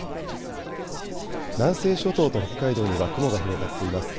南西諸島と北海道には雲が広がっています。